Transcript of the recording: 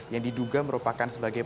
yang diduga merupakan sebagai